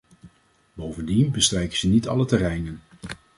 Bovendien bestrijken ze niet alle terreinen.